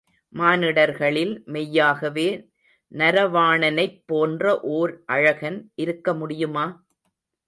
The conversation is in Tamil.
மானிடர்களில் மெய்யாகவே நரவாணனைப் போன்ற ஓர் அழகன் இருக்க முடியுமா?